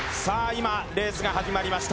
今レースが始まりました